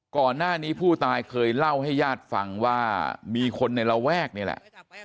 ก่อนหน้านี้ผู้ตายเคยเล่าให้ญาติฟังว่ามีคนในระแวกนี่แหละ